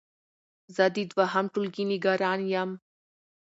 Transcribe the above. زه د دوهم ټولګی نګران يم